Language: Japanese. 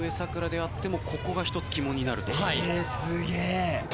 すげえ。